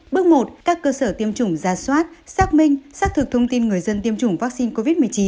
bước một các cơ sở tiêm chủng giả soát xác minh xác thực thông tin người dân tiêm chủng vaccine covid một mươi chín